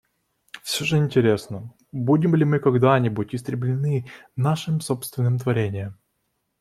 Всё же интересно, будем ли мы когда-нибудь истреблены нашим собственным творением.